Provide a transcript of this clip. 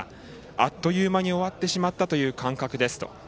あっという間に終わってしまったという感覚ですと。